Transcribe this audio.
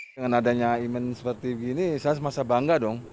dengan adanya iman seperti gini saya masih bangga dong